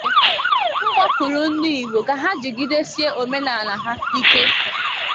kpọkuru ndị Igbo ka ha jigidesie omenala ha ike